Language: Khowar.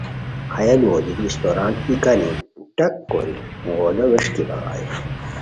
ہیہ لوؤ دیتی استوران ای کانی ٹک کوری غُولو ووݰکی بغانی